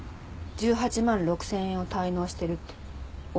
１８万６０００円を滞納してるって大家から。